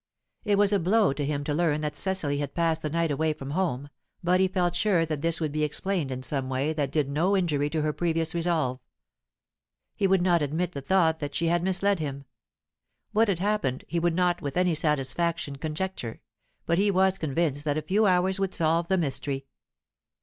It was a blow to him to learn that Cecily had passed the night away from home, but he felt sure that this would be explained in some way that did no injury to her previous resolve. He would not admit the thought that she had misled him. What had happened, he could not with any satisfaction conjecture, but he was convinced that a few hours would solve the mystery.